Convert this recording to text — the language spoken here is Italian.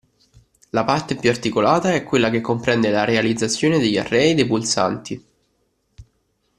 La parte più articolata è quella che comprende la realizzazione degli array dei pulsanti.